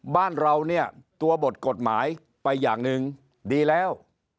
บ้านเราเนี่ยตัวบทกฎหมายไปอย่างหนึ่งดีแล้ว